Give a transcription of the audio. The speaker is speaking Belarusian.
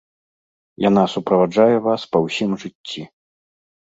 Яна суправаджае вас па ўсім жыцці.